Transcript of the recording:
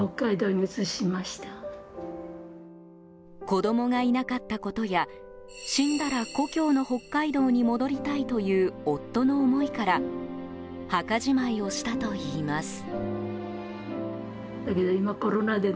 子供がいなかったことや死んだら故郷の北海道に戻りたいという夫の思いから墓じまいをしたといいます。